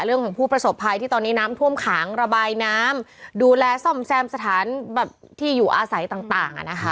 เรื่องของผู้ประสบภัยที่ตอนนี้น้ำท่วมขังระบายน้ำดูแลซ่อมแซมสถานแบบที่อยู่อาศัยต่างอ่ะนะคะ